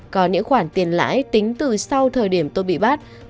có những khoản tiền lãi tính từ sau thời điểm tôi bị bắt